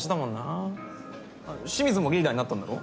あっ清水もリーダーになったんだろ？